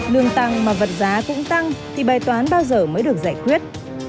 lương tăng mà vật giá cũng tăng thì bài toán bao giờ mới được giải quyết